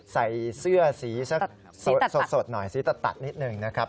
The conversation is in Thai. ใส่เสื้อสีสักสดหน่อยสีตัดนิดหนึ่งนะครับ